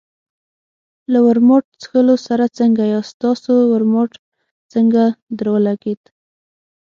له ورماوټ څښلو سره څنګه یاست؟ ستاسو ورماوټ څنګه درولګېد؟